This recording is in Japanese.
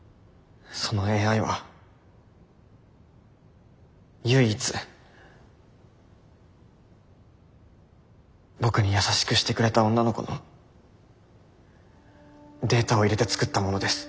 そのＡＩは唯一僕に優しくしてくれた女の子のデータを入れて作ったものです。